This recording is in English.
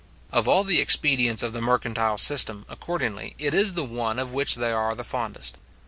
Of all the expedients of the mercantile system, accordingly, it is the one of which they are the fondest.